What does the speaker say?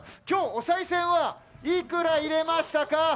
今日、おさい銭はいくら入れましたか？